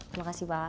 terima kasih pak